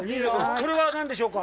これは何でしょうか。